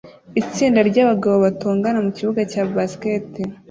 Itsinda ryabagabo batongana mukibuga cya basket